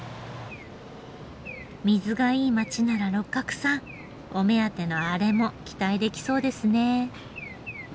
水がいい街なら六角さんお目当てのあれも期待できそうですね。